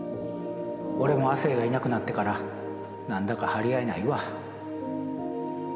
俺も亜生がいなくなってから何だか張り合いないわ。